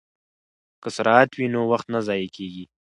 که سرعت وي نو وخت نه ضایع کیږي.